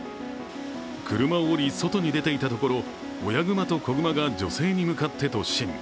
車を降り外に出ていたところ、親熊と子熊が女性に向かって突進。